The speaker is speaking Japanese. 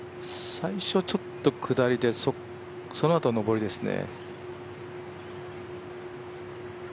最初、ちょっと下りでそのあと上りですね。